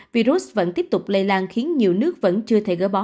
virus vẫn tiếp tục lây lan khiến nhiều nước vẫn chưa thể gỡ bỏ